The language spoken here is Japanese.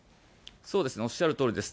そうですね、おっしゃるとおりです。